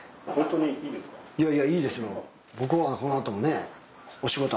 いやいやいいですよ。